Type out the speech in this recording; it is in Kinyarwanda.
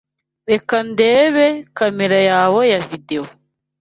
Reka ndebe kamera yawe ya videwo